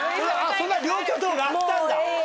そんな両巨頭があったんだ。